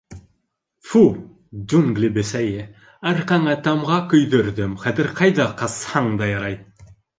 — Фу, джунгли бесәйе, арҡаңа тамға көйҙөрҙөм, хәҙер ҡайҙа ҡасһаң да ярай.